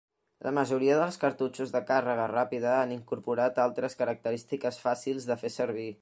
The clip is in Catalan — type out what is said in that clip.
La majoria dels cartutxos de càrrega ràpida han incorporat altres característiques fàcils de fer servir.